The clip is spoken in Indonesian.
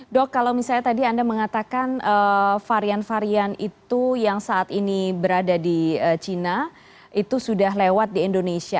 dok kalau misalnya tadi anda mengatakan varian varian itu yang saat ini berada di cina itu sudah lewat di indonesia